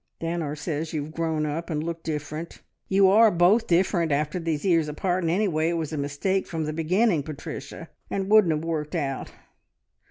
"Stanor says you have grown up, and look different. You are both different after these years apart, and, anyway, it was a mistake from the beginning, Patricia, and wouldn't have worked out.